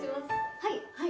はいはい。